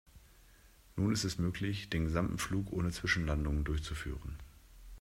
Nun ist es möglich, den gesamten Flug ohne Zwischenlandungen durchzuführen.